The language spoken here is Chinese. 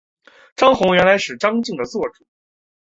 张宏原来是张鲸的座主。